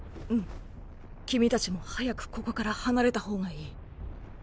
うん君たちも早くここから離れた方がいい。